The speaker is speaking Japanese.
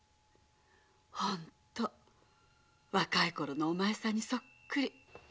本当若いころのお前さんにそっくり。